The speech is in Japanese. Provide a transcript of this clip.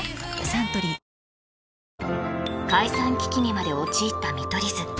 サントリー解散危機にまで陥った見取り図